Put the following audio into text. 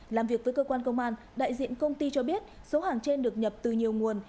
làm việc với cơ quan công an đại diện công ty cho biết số hàng trên được nhập từ nhiều nguồn